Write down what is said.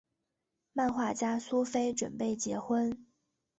漫画家苏菲准备结婚。